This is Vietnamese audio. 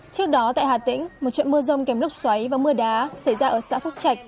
trước đó tại hà tĩnh một trận mưa rông kèm lốc xoáy và mưa đá xảy ra ở xã phúc trạch